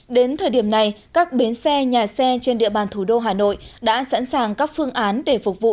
đến thời điểm này các bến xe nhà xe trên địa bàn thủ đô hà nội đã sẵn sàng các phương án để phục vụ